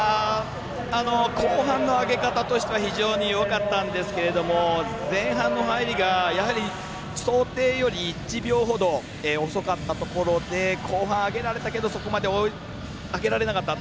後半の上げ方としては非常によかったんですけども前半の入りが、やはり想定より１秒ほど遅かったところで後半、上げられたけどそこまで上げられなかった。